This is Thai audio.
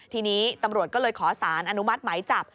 ทีนี้ตำรวจก็เลยขอสารอนุมัติหมายจับ